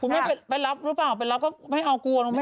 ครูแม่ไปรับหรือเปล่าไปรับก็ไม่เอากลัวนะ